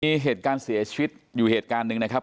มีเหตุการณ์เสียชีวิตอยู่เหตุการณ์หนึ่งนะครับ